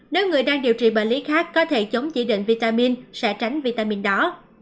nếu người đang điều trị bệnh lý khác có thể chống chỉ định vitamin sẽ tránh vitamin đó